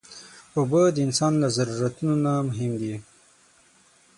اوبه د انسان له ضرورتونو نه مهم دي.